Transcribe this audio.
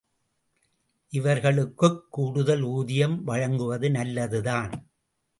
இவர்களுக்குக் கூடுதல் ஊதியம் வழங்குவது நல்லதுதான்.